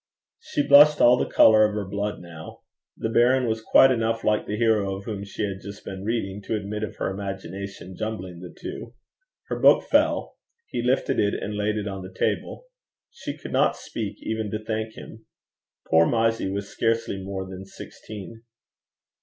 She blushed all the colour of her blood now. The baron was quite enough like the hero of whom she had just been reading to admit of her imagination jumbling the two. Her book fell. He lifted it and laid it on the table. She could not speak even to thank him. Poor Mysie was scarcely more than sixteen.